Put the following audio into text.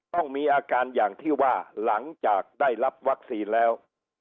ต้องมีอาการอย่างที่ว่าหลังจากได้รับวัคซีนแล้ว